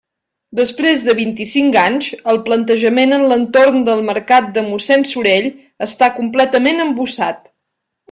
Després de vint-i-cinc anys, el planejament en l'entorn del Mercat de Mossén Sorell està completament embossat.